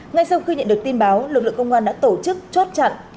ngay sau khi nhận được tin báo lực lượng công an đã tổ chức chốt chặn